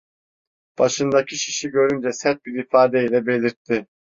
Başındaki şişi görünce sert bir ifade ile belirtti: